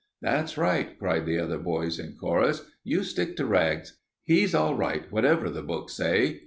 "That's right," cried the other boys in chorus. "You stick to Rags. He's all right, whatever the books say.